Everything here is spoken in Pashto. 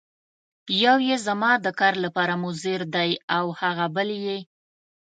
یو یې زما د کار لپاره مضر دی او هغه بل یې.